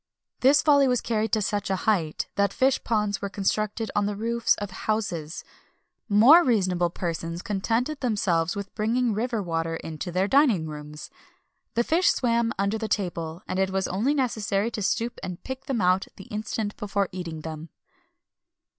This folly was carried to such a height that fish ponds were constructed on the roofs of houses.[XXI 281] More reasonable persons contented themselves with bringing river water into their dining rooms.[XXI 282] The fish swam under the table, and it was only necessary to stoop and pick them out the instant before eating them.